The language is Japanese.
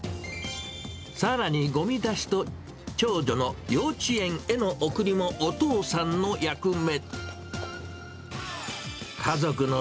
さらにごみ出しと長女の幼稚園への送りもお父さんの役目。